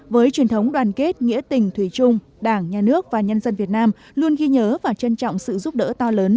với truyền thống đoàn kết nghĩa tình thủy chung đảng nhà nước và nhân dân việt nam luôn ghi nhớ và trân trọng sự giúp đỡ to lớn